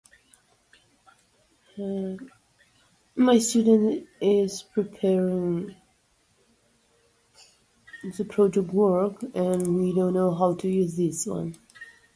Шум волн напоминал танец прибоя под лунным светом.